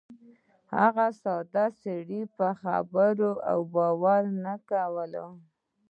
هغه ساده سړي یې په خبرو باور نه وای کړی.